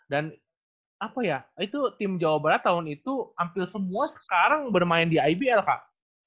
dan apa ya itu tim jawa barat tahun itu hampir semua sekarang bermain di ibl kak